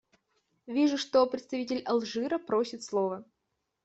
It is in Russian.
Вижу, что представитель Алжира просит слова.